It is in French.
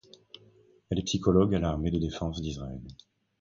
Elle est psychologue à l'Armée de défense d'Israël.